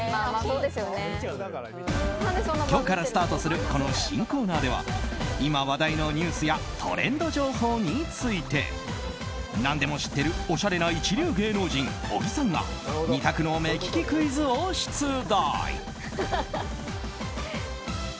今日からスタートするこの新コーナーでは今話題のニュースやトレンド情報について何でも知ってるおしゃれな一流芸能人、小木さんが２択の目利きクイズを出題。